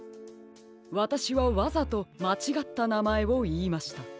わたしはわざとまちがったなまえをいいました。